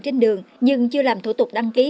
trên đường nhưng chưa làm thủ tục đăng ký